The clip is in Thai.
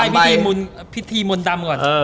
ขอได้พิธีมนต์ดำก่อน